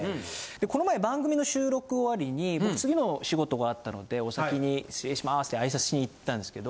この前番組の収録終わりに僕次の仕事があったのでお先に失礼しますって挨拶しに行ったんですけど。